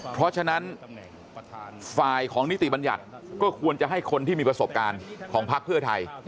เพราะฉะนั้นฝ่ายของนิติบัญญัติก็ควรจะให้คนที่มีประสบการณ์ของพักเพื่อไทย